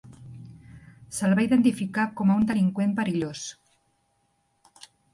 Se'l va identificar com a un delinqüent perillós.